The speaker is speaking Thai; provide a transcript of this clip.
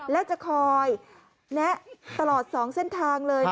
แล้วจะคอยแนะตลอด๒เส้นทางเลย